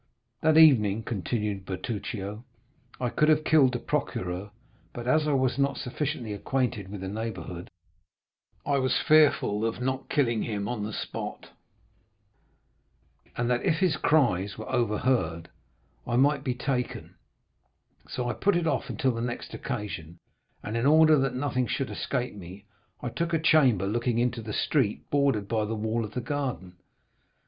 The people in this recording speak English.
"That evening," continued Bertuccio, "I could have killed the procureur, but as I was not sufficiently acquainted with the neighborhood, I was fearful of not killing him on the spot, and that if his cries were overheard I might be taken; so I put it off until the next occasion, and in order that nothing should escape me, I took a chamber looking into the street bordered by the wall of the garden.